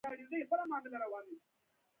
د پخوانۍ معمارۍ په بڼه یې چارې تر